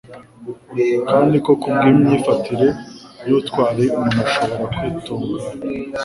kandi ko kubw'imyifatire y'ubutwari umuntu ashobora kwitunganya.